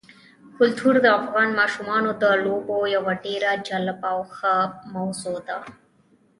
کلتور د افغان ماشومانو د لوبو یوه ډېره جالبه او ښه موضوع ده.